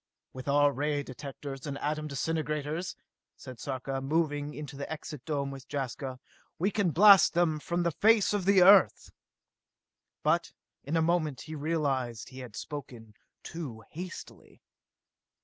"With our ray directors and atom disintegrators," said Sarka, moving into the Exit Dome with Jaska, "we can blast them from the face of the Earth!" But in a moment he realized that he had spoken too hastily.